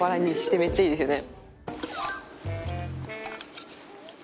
めっちゃいいですよね。